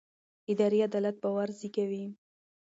اداري عدالت باور زېږوي